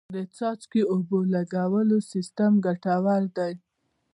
د څاڅکي اوبو لګولو سیستم ګټور دی.